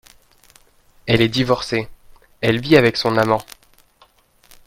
Elle est divorcée ; elle vit avec son amant.